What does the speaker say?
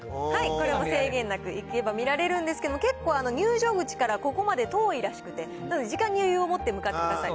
これは制限なく行けば見られるんですけれども、結構、入場口からここまで遠いらしくて、時間に余裕を持って向かってください。